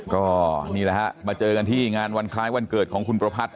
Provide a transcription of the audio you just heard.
ก็นี่แหละฮะมาเจอกันที่งานวันคล้ายวันเกิดของคุณประพัทธ